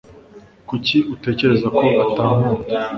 Kuki utekereza ko atankunda?